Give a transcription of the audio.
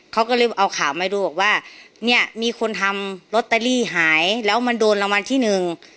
เขาก็เลยเอาข่าวมาดูบอกว่าเนี่ยมีคนทำลอตเตอรี่หายแล้วมันโดนรางวัลที่หนึ่ง